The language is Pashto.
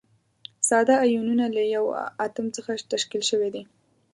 ساده ایونونه له یوه اتوم څخه تشکیل شوي دي.